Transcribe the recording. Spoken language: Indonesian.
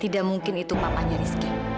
tidak mungkin itu papanya rizky